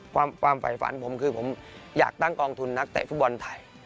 ความฝ่ายฝันผมคือผมอยากตั้งกองทุนนักเตะฟุตบอลไทย